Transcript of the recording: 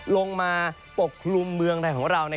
ลงมาปกคลุมเมืองไทยของเรา